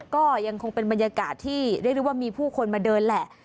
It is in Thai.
ก็ยังคงเป็นบรรยากาศที่เรียกได้ว่ามีผู้คนมาเดินแหละ